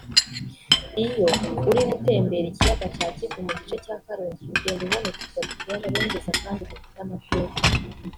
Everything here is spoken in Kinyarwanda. Iyo urimo utembera ikiyaga cya Kivu mu gice cya Karongi ugenda ubona uturwa duteye amabengeza kandi dufite amateka